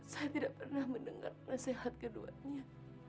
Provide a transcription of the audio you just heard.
saya tidak pernah mendengar nasihat keduanya